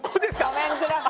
ごめんください。